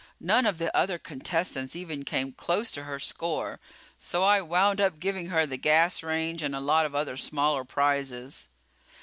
None of the other contestants even came close to her score, so I wound up giving her the gas range and a lot of other smaller prizes.